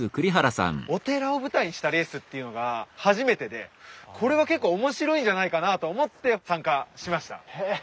お寺を舞台にしたレースっていうのが初めてでこれは結構面白いんじゃないかなと思って参加しました。